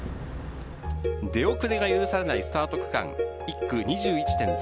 出遅れが許されないスタート区間、１区２１．３ｋｍ。